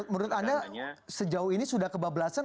menurut anda sejauh ini sudah kebablasan